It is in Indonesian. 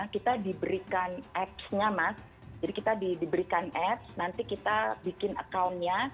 kita diberikan apps nya mas jadi kita diberikan apps nanti kita bikin account nya